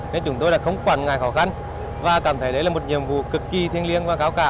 nên chúng tôi đã không quản ngại khó khăn và cảm thấy đấy là một nhiệm vụ cực kỳ thiên liêng và kháo cả